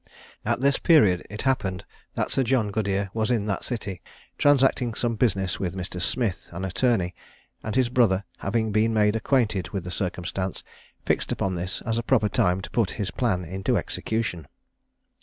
At this period it happened that Sir John Goodere was in that city, transacting some business with Mr. Smith, an attorney; and his brother having been made acquainted with the circumstance, fixed upon this as a proper time to put his plan into execution.